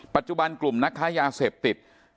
ปัจจุบันกลุ่มนักค้ายาเสพติด